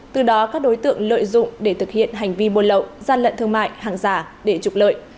từ đó các đối tượng lợi dụng để thực hiện hành vi buôn lậu gian lận thương mại hàng giả để trục lợi